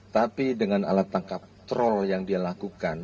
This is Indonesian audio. tapi dengan alat tangkap troll yang dia lakukan